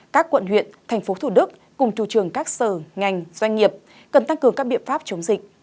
các quận huyện thành phố thủ đức cùng chủ trường các sở ngành doanh nghiệp cần tăng cường các biện pháp chống dịch